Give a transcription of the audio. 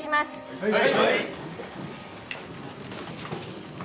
はい。